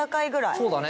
そうだね。